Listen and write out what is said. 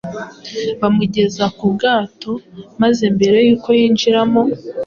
bamugeza ku bwato maze mbere yuko yinjiramo,